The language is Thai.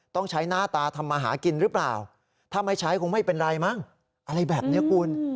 ต้องใช้หน้าตาทำมาหากินหรือเปล่าถ้าไม่ใช้คงไม่เป็นไรมั้งอะไรแบบนี้คุณ